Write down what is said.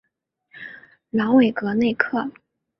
朗代韦内克。